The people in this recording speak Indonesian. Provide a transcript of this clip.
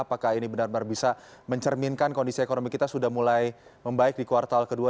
apakah ini benar benar bisa mencerminkan kondisi ekonomi kita sudah mulai membaik di kuartal kedua